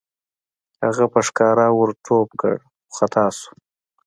هغه په ښکار ور ټوپ کړ خو خطا شو.